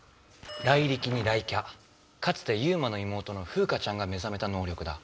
ライリキに雷キャかつてユウマの妹のフウカちゃんが目ざめた能力だ。